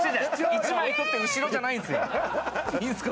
「１枚取って後ろ」じゃないんですよ。いいんですか？